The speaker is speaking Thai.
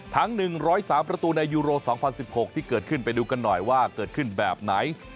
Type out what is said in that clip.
ทั้ง๑๐๓ประตูในยูโร๒๐๑๖ที่เกิดขึ้นไปดูกันหน่อยว่าเกิดขึ้นแบบไหน